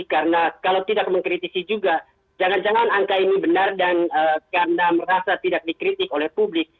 karena kalau tidak mengkritisi juga jangan jangan angka ini benar dan karena merasa tidak dikritik oleh publik